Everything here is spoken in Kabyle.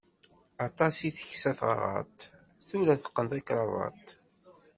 Aṭas i teksa taɣaṭ, tura teqqen takrabaṭ.